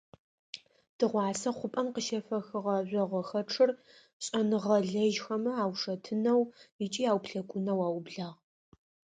Тыгъуасэ хъупӏэм къыщефэхыгъэ жъогъохэчъыр шӏэныгъэлэжьхэмэ аушэтынэу ыкӏи ауплъэкӏунэу аублагъ.